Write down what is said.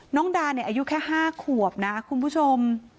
น้องดาอายุแค่๕ขวบนะคุณผู้ชม